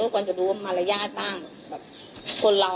พี่ลองคิดดูสิที่พี่ไปลงกันที่ทุกคนพูด